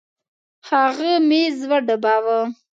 هغه ميز وډباوه.